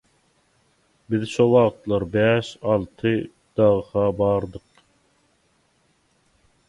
Biz şo wagtlar bäş-alty dagy-ha bardyk